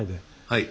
はい。